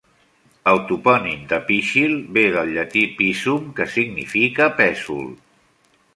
El topònim de Pishill ve del llatí "pisum", que significa pèsol.